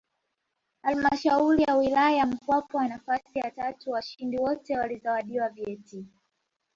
Halmashauri ya Wilaya ya Mpwapwa nafasi ya tatu washindi wote walizawadiwa vyeti